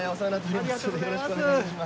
ありがとうございます。